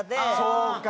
そうか。